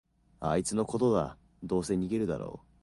あいつのことだ、どうせ逃げるだろ